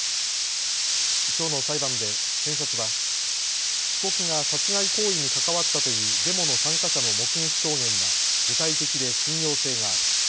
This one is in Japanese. きょうの裁判で検察は被告が殺害行為に関わったというデモの参加者の目撃証言は具体的で信用性がある。